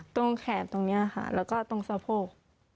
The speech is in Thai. ตรงแขนตรงนี้ค่ะแล้วก็ตรงสะโพก